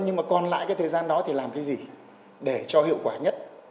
nhưng còn lại thời gian đó thì làm cái gì để cho hiệu quả nhất